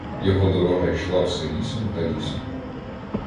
Його дорога йшла все лісом та лісом.